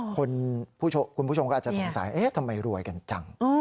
คุณผู้ชมก็อาจจะสงสัยเอ๊ะทำไมรวยกันจัง